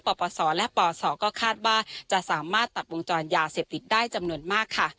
ปปศและปศก็คาดว่าจะสามารถตัดวงจรยาเสพติดได้จำนวนมากค่ะ